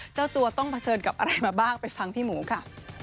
เจ้าตัวต้องเผชิญกับอะไรมาบ้างไปฟังพี่หมูค่ะ